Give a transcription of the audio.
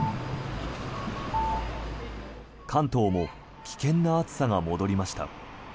関東も危険な暑さが戻りました。